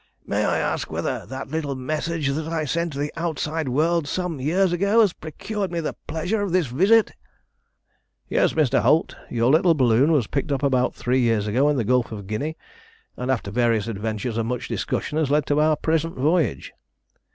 May I ask whether that little message that I sent to the outside world some years ago has procured me the pleasure of this visit?" "Yes, Mr. Holt. Your little balloon was picked up about three years ago in the Gulf of Guinea, and, after various adventures and much discussion, has led to our present voyage."